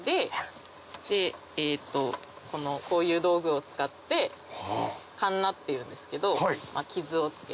こういう道具を使ってかんなっていうんですけど。